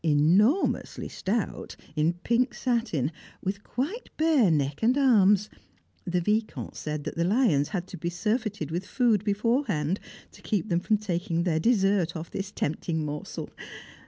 Enormously stout, in pink satin, with quite bare neck and arms; the Vicomte said that the lions had to be surfeited with food beforehand, to keep them from taking their dessert off this tempting morsel.